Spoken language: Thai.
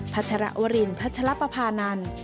พระชรวรินพัชรปภานันทร์